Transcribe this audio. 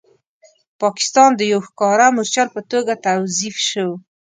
پاکستان د یو ښکاره مورچل په توګه توظیف شو.